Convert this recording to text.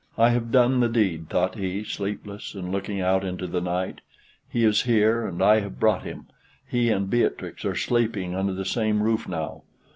"I have done the deed," thought he, sleepless, and looking out into the night; "he is here, and I have brought him; he and Beatrix are sleeping under the same roof now.